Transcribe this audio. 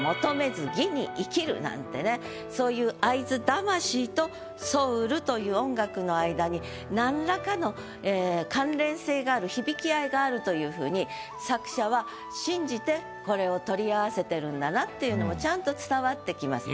なんてねそういう会津魂とソウルという音楽の間に何らかの関連性がある響き合いがあるというふうに作者は信じてこれを取り合わせてるんだなっていうのもちゃんと伝わってきます。